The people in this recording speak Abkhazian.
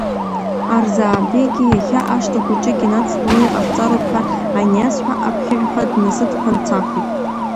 Арзаабеигьы, иахьа ашҭа хәыҷык инацҵаны иҟаҳҵароуп ҳәа аниасҳәа, аԥхьыжәҳәа днасыдԥан дцахит.